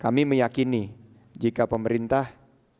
kami meyakini jika pemerintah fokus pada pengurangan masalah